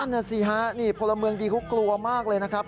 นั่นน่ะสิฮะนี่พลเมืองดีเขากลัวมากเลยนะครับ